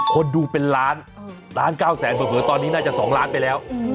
คนดูเป็นล้านล้าน๙แสนเผลอตอนนี้น่าจะ๒ล้านไปแล้ว